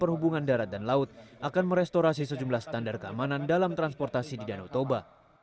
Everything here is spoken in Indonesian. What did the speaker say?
perhubungan darat dan laut akan merestorasi sejumlah standar keamanan dalam transportasi di danau toba